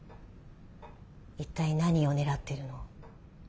一体何をねらってるの？